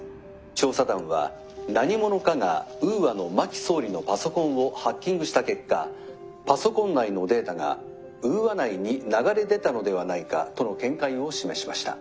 調査団は何者かがウーアの真木総理のパソコンをハッキングした結果パソコン内のデータがウーア内に流れ出たのではないかとの見解を示しました」。